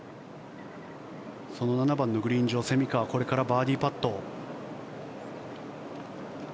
その７番のグリーン上これからバーディーパット。